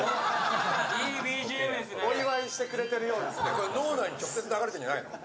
これ、脳内に直接流れてるんじゃないの。